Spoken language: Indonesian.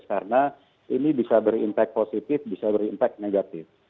karena ini bisa berimpak positif bisa berimpak negatif